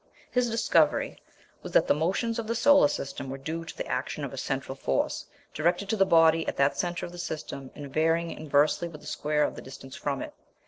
His discovery was that the motions of the solar system were due to the action of a central force, directed to the body at the centre of the system, and varying inversely with the square of the distance from it.